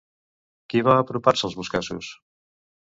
Qui va apropar-se als Boscassos?